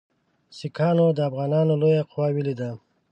سیکهانو د افغانانو لویه قوه ولیده.